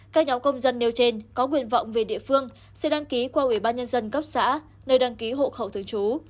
các nhóm công dân nêu trên có nguyện vọng về địa phương sẽ đăng ký qua ủy ban nhân dân cấp xã nơi đăng ký hộ khẩu thường trú